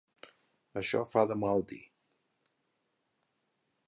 Això fa de mal dir.